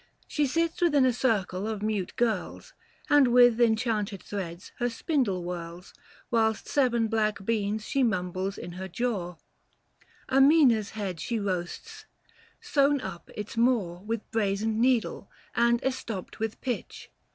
She sits within a circle of mute girls, And, with enchanted threads, her spindle whirls, Whilst seven black beans she mumbles in her jaw ; A Msena's head she roasts, sewn up its maw 615 With brazen needle, and estopped with pitch.